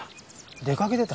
出かけてた？